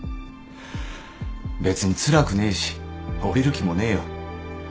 別につらくねえし降りる気もねえよ。